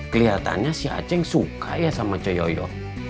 keliatannya si aceng suka ya sama coyoyo